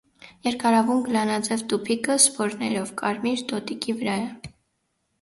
Երկարավուն, գլանաձև, տուփիկը (սպորներով) կարմիր տոտիկի վրա է։